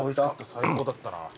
最高だったな。